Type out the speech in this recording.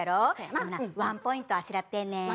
これなワンポイントあしらってんねん。